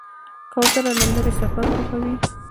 کوتره له لرې سفر خوښوي.